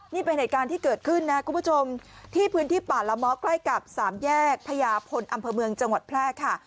นี่เป็นเหตุการณ์ที่เกิดขึ้นนะคุณผู้ชมที่พื้นที่ป่าละม้อใกล้กับสามแยกพญาพลอำเภอเมืองจังหวัดแพร่ค่ะ